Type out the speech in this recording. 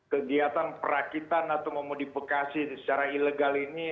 kegiatan perakitan atau memodifikasi secara ilegal ini